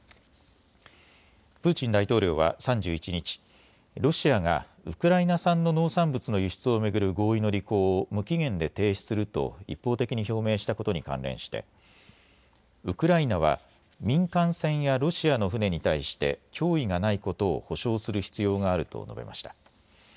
プーチン大統領は３１日、ロシアがウクライナ産の農産物の輸出を巡る合意の履行を無期限で停止すると一方的に表明したことに関連してウクライナは民間船やロシアの船に対して脅威がないことを保証する必要があると述べました。